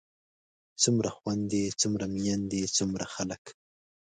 څومره خويندے څومره ميايندے څومره خلک